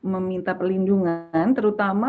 meminta pelindungan terutama